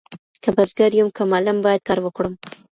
که بزګر يم که معلم بايد کار وکړم.